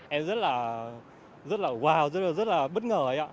em rất là wow rất là bất ngờ